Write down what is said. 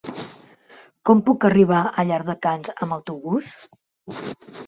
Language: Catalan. Com puc arribar a Llardecans amb autobús?